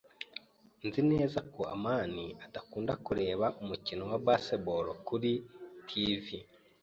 Nzi neza ko amani adakunda kureba umukino wa baseball kuri TV.